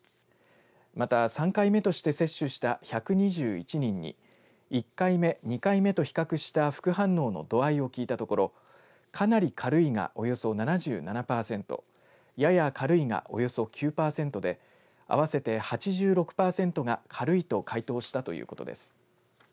また３回目として接種した１２１人に１回目、２回目と比較した副反応の度合いを聞いたところかなり軽いがおよそ７７％、やや軽いがおよそ９％で合わせて８６％が軽いと回答したということです。